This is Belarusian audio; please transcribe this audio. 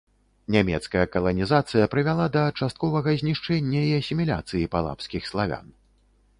Нямецкая каланізацыя прывяла да частковага знішчэння і асіміляцыі палабскіх славян.